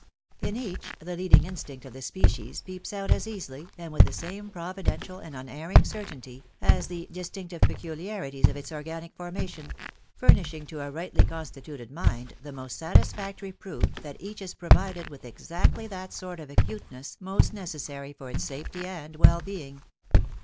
In each, the leading instinct of the INCIPIENT VANITY. 45 specif peeps out as easily, and with the same providential and unerring certainty, as the distinctive peculiarities of its organic formation ; furnishing to a rightly constituted mind, the most satisfactory proof that each is provided with exactly that sort of acuteness most necessary for its safety and well being.